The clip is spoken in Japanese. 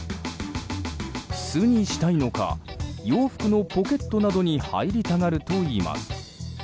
巣にしたいのか洋服のポケットなどに入りたがるといいます。